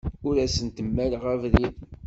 Ur asent-mmaleɣ abrid.